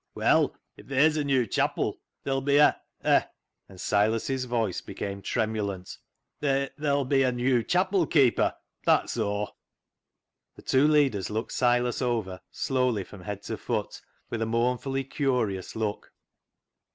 " Well, if there's a new chapil ther'll be a — a," and Silas's voice became tremulant, " there'll be a new chapil keeper, that's aw." The two leaders looked Silas over slowly from head to foot with a mournfully curious look.